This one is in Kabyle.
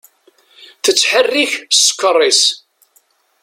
Tettḥerrik ssker-is.